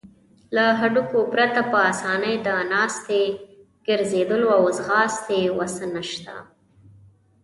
له هډوکو پرته په آسانۍ د ناستې، ګرځیدلو او ځغاستې وسه نشته.